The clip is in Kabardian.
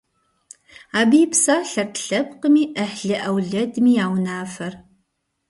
Абы и псалъэрт лъэпкъми, ӏыхьлы-ӏэулэдми я унафэр.